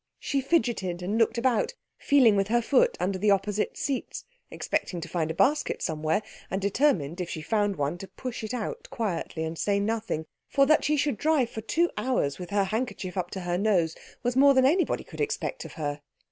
She fidgeted, and looked about, feeling with her foot under the opposite seat, expecting to find a basket somewhere, and determined if she found one to push it out quietly and say nothing; for that she should drive for two hours with her handkerchief up to her nose was more than anybody could expect of her.